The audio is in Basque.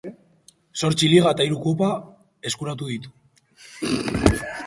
Zortzi liga eta hiru kopa eskuratu ditu.